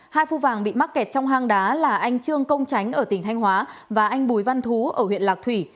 hai phu vàng bị mắc kẹt trong hang đá là anh trương công tránh ở tỉnh thanh hóa và anh bùi văn thú ở huyện lạc thủy